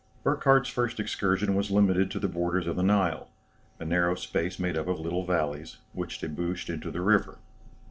Burckhardt's first excursion was limited to the borders of the Nile, a narrow space made up of little valleys, which debouched into the river.